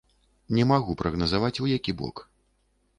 Не магу прагназаваць, у які бок.